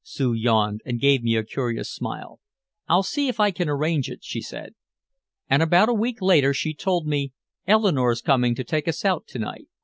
Sue yawned and gave me a curious smile. "I'll see if I can't arrange it," she said. And about a week later she told me, "Eleanore's coming to take us out to night."